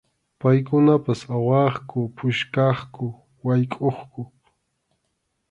Paykunapas awaqku, puskaqku, waykʼuqku.